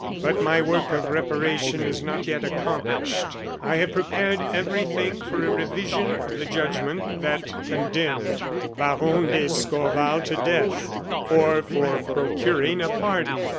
"But my work of reparation is not yet accomplished. I have prepared everything for a revision of the judgment that condemned Baron d'Escorval to death, or for procuring a pardon.